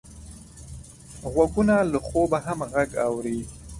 غوږونه له خوبه هم غږ اوري